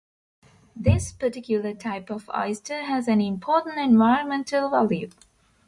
This particular type of oyster has an important environmental value.